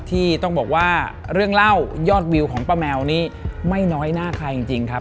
ที่ต้องบอกว่าเรื่องเล่ายอดวิวของป้าแมวนี้ไม่น้อยหน้าใครจริงครับ